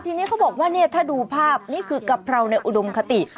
ทีนี้เขาบอกว่าเนี่ยถ้าดูภาพนี่คือกะเพราในอุดมคติ